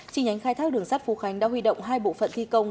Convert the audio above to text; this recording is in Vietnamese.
chính nhánh khai thác đường sắt phú khánh đã huy động hai bộ phận thi công